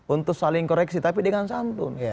untuk saling koreksi tapi dengan santun